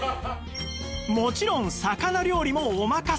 もちろん魚料理もお任せ！